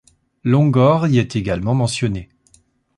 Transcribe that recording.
Longor y est également mentionné.